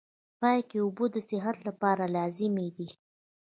پاکي اوبه د صحت لپاره لازمي دي.